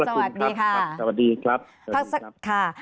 ขอบพระคุณครับสวัสดีครับ